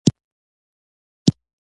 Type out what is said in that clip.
خپل استعداد ته رشد ورنه شي کړای.